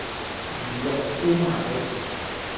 魚肉燒賣